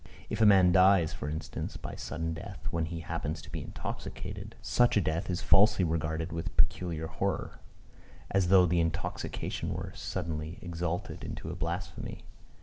If a man dies, for instance, by some sudden death when he happens to be intoxicated, such a death is falsely regarded with peculiar horror; as though the intoxication were suddenly exalted into a blasphemy.